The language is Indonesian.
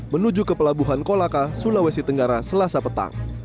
menuju ke pelabuhan kolaka sulawesi tenggara selasa petang